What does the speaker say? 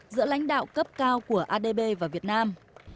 giữa lãnh đạo cấp cao của adb và việt nam